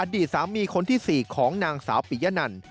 ดีสามีคนที่๔ของนางสาวปิยะนัน